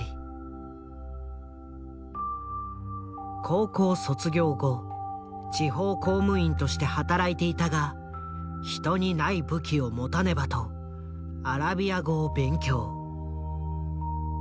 高校卒業後地方公務員として働いていたが人にない武器を持たねばとアラビア語を勉強。